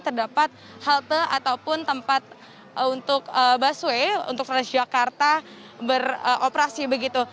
terdapat halte ataupun tempat untuk busway untuk transjakarta beroperasi begitu